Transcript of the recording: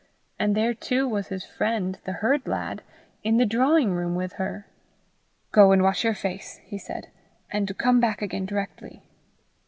And there too was his friend, the herd lad, in the drawing room with her! "Go and wash your face," he said, "and come back again directly."